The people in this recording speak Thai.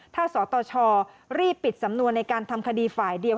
ถ้าสตชรีบปิดสำนวนในการทำคดีฝ่ายเดียว